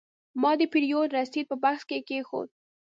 ما د پیرود رسید په بکس کې کېښود.